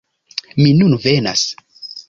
"Mi nun venas!"